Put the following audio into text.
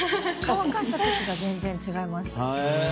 乾かした時が全然違いました。